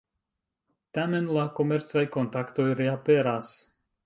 Tamen, la komercaj kontaktoj reaperas.